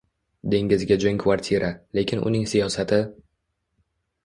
Dengizga jung kvartira, lekin uning siyosati